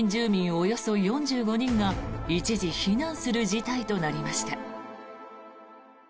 およそ４５人が一時避難する事態となりました。